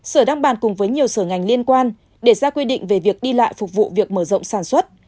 sở đang bàn cùng với nhiều sở ngành liên quan để ra quy định về việc đi lại phục vụ việc mở rộng sản xuất